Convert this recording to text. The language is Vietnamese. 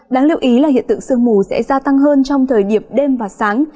đáng lưu ý là hiện tượng sương mù sẽ gia tăng hơn trong thời điểm đêm và sáng